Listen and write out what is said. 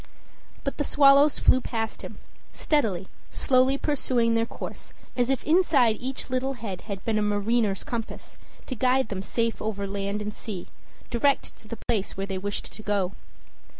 But the swallows flew past him steadily, slowly pursuing their course as if inside each little head had been a mariner's compass, to guide them safe over land and sea, direct to the place where they wished to go.